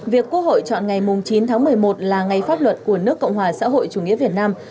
việc quốc hội chọn ngày chín tháng một mươi một là ngày pháp luật của nước cộng hòa xã hội chủ nghĩa việt nam